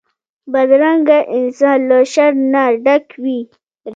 بدرنګه انسان له شر نه ډک وي